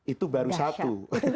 itu baru satu